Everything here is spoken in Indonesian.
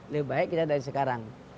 lebih baik kita dari sekarang